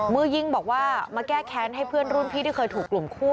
มือยิงบอกว่ามาแก้แค้นให้เพื่อนรุ่นพี่ที่เคยถูกกลุ่มคู่